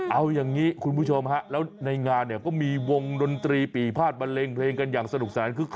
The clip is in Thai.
เอาอย่างนี้คุณผู้ชมฮะแล้วในงานเนี่ยก็มีวงดนตรีปีภาษบันเลงเพลงกันอย่างสนุกสนานคึกค